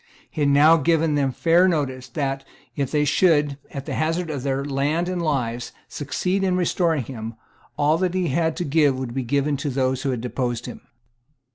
He had now given them fair notice that, if they should, at the hazard of their lands and lives, succeed in restoring him, all that he had to give would be given to those who had deposed him.